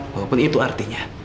walaupun itu artinya